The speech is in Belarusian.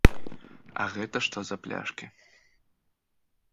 А гэта што за пляшкі?